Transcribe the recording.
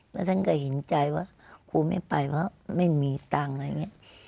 แล้วฉันก็เห็นใจว่าครูไม่ไปเพราะไม่มีตังค์อะไรอย่างนี้